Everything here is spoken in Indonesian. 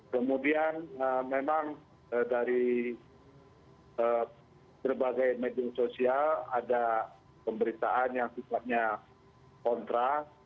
kemudian memang dari berbagai media sosial ada pemberitaan yang sifatnya kontra